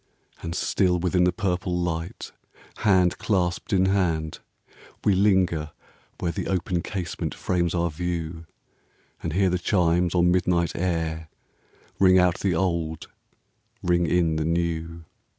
And still within the purple light, Hand clasped in hand, we linger where The open casement frames our view, And hear the chimes on midnight air Ring out the old, ring in the new.